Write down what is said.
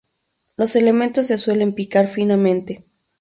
Los elementos se suelen picar finamente.